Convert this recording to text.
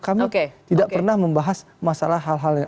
kami tidak pernah membahas masalah hal hal yang